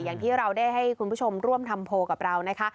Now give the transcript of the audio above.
อย่างที่เราได้ให้คุณผู้ชมร่วมทำโพลกับเรานะคะ